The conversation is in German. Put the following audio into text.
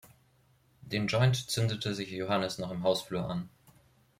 Den Joint zündete sich Johannes noch im Hausflur an.